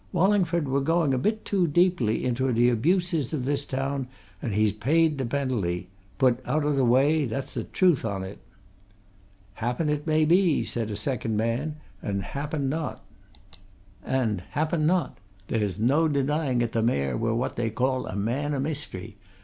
Wallingford were going a bit too deeply into t' abuses o' this town an' he's paid t' penalty. Put out o' t' way that's t' truth on it!" "Happen it may be," said a second man. "And happen not. There's no denying 'at t' Mayor were what they call a man o' mystery.